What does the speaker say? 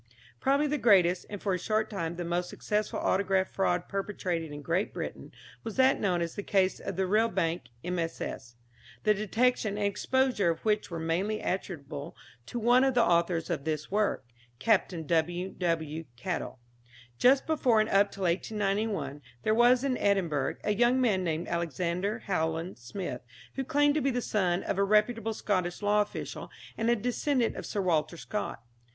Probably the greatest, and for a short time the most successful autograph fraud perpetrated in Great Britain was that known as the case of the Rillbank MSS., the detection and exposure of which were mainly attributable to one of the authors of this work (Capt. W. W. Caddell). Just before, and up till 1891, there was in Edinburgh a young man named Alexander Howland Smith, who claimed to be the son of a reputable Scottish law official, and a descendant of Sir Walter Scott.